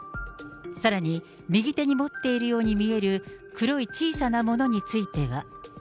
さらに右手に持っているように見える黒い小さなものについては。